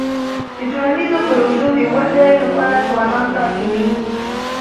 د ټولنیزو پروژو د ودی لپاره ځوانان کار کوي.